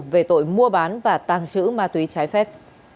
về tội mua bán và tàng trữ ma túy trái phép